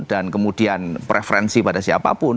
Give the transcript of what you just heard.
dan kemudian preferensi pada siapapun